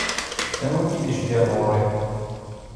Anwa i k-id-iceggɛen ɣur-i?